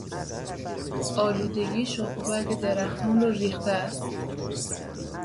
آلودگی شاخ و برگ درختان را ریخته است.